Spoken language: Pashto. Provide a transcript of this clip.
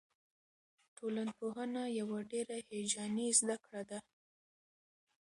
ټولنپوهنه یوه ډېره هیجاني زده کړه ده.